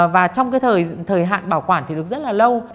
và trong cái thời hạn bảo quản thì được rất là lâu